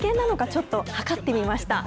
ちょっと測ってみました。